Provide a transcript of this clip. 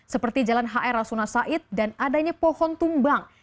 seperti jalan hr rasuna said dan adanya pohon tumbang